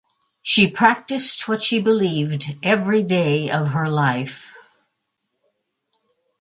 She practised what she believed every day of her life.